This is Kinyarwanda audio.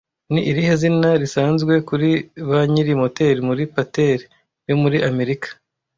Ni irihe zina risanzwe kuri banyiri Motel muri Patel yo muri Amerika